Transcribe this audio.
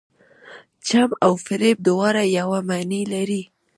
چم او فریب دواړه یوه معنی لري.